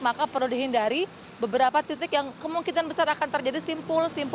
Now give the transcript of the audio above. maka perlu dihindari beberapa titik yang kemungkinan besar akan terjadi simpul simpul